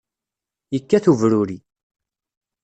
Yekkat ubruri.